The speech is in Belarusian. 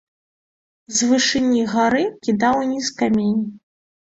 З вышыні гары кідаў уніз камень.